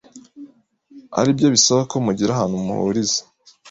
aribyo bisaba ko mugira ahantu muhuriza